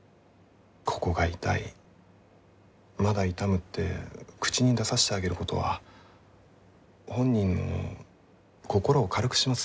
ここが痛いまだ痛むって口に出さしてあげることは本人の心を軽くします。